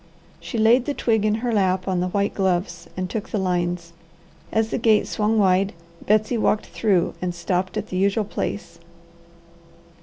She laid the twig in her lap on the white gloves and took the lines. As the gate swung wide, Betsy walked through and stopped at the usual place.